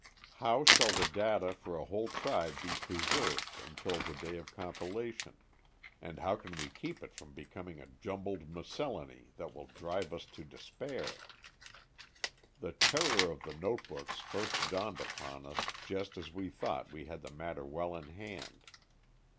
How shall the data for a whole tribe be preserved until the day of compilation, and how can we keep it from becoming a jumbled miscellany that will drive us to despair? The terror of the notebooks first dawned upon us just as we thought we had the matter well in hand.